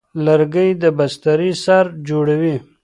لرګی د بسترې سر جوړوي.